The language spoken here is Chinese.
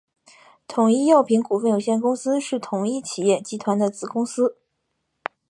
统一药品股份有限公司是统一企业集团的子公司。